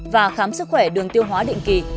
và khám sức khỏe đường tiêu hóa định kỳ